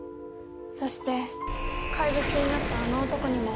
そして怪物になったあの男にも。